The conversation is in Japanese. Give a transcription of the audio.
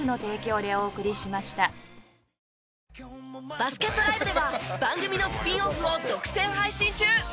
バスケットＬＩＶＥでは番組のスピンオフを独占配信中！